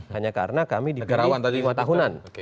hanya karena kami dipilih lima tahunan